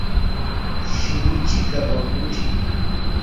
Shinichi Kawaguchi